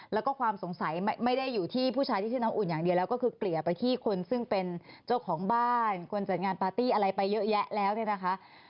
แล้วก็ความสงสัยไม่ได้อยู่ที่ผู้ชายที่ชื่อน้ำอุ่นอย่างเดียวแล้วก็คือเกลี่ยไปที่คนซึ่งเป็นเจ้าของบ้านคนจัดงานปาร์ตี้อะไรไปเยอะแยะแล้วเนี่ยนะคะ